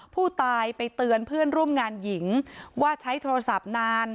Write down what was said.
ผู้ตายไปเตือนเพื่อนร่วมงานหญิงว่าใช้โทรศัพท์นาน